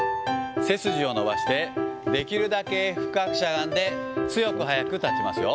背筋を伸ばして、できるだけ深くしゃがんで、強く早く立ちますよ。